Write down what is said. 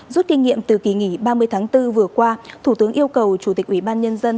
rút kinh nghiệm từ kỳ nghỉ ba mươi tháng bốn vừa qua thủ tướng yêu cầu chủ tịch ủy ban nhân dân